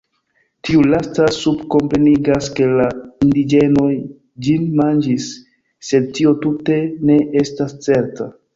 Tiu lasta subkomprenigas, ke la indiĝenoj ĝin manĝis, sed tio tute ne estas certa.